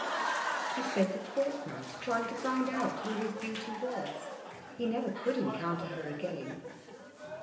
He spent a fortnight trying to find out who his beauty was; he never could encounter her again.